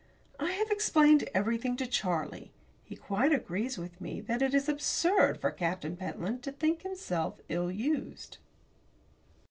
I have explained everything to Charlie. He quite agrees with me that it is absurd for Captain Pentland to think himself ill used.